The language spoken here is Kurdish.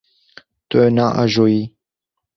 Tu naajoyî.